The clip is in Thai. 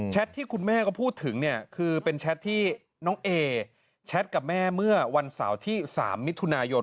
ที่คุณแม่ก็พูดถึงเนี่ยคือเป็นแชทที่น้องเอแชทกับแม่เมื่อวันเสาร์ที่๓มิถุนายน